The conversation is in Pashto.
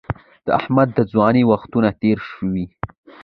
د احمد د ځوانۍ وختونه تېر شوي